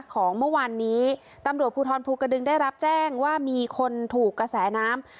ของเมื่อวานนี้ตำรวจภูทรภูกระดึงได้รับแจ้งว่ามีคนถูกกระแสน้ำ